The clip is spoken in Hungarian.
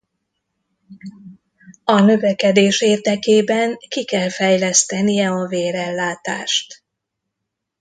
A növekedés érdekében ki kell fejlesztenie a vérellátást.